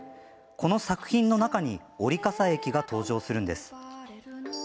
この作品の中に織笠駅が登場するんです。